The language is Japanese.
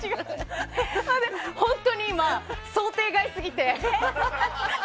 本当に今、想定外すぎて。